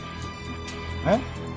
えっ？